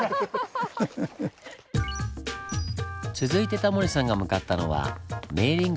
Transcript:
続いてタモリさんが向かったのは明倫館の入り口。